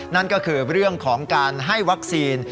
นั่นก็คือเรื่องของการให้วัคซีน